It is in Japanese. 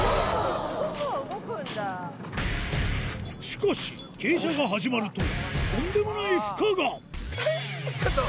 しかし傾斜が始まるととんでもない負荷がちょっと。